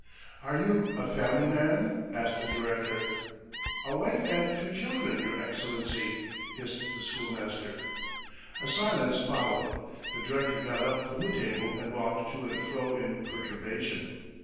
"Are you a family man?" asked the director. "A wife and two children, your Excellency ..." hissed the schoolmaster. A silence followed. The director got up from the table and walked to and fro in perturbation.